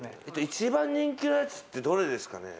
一番人気のやつってどれですかね？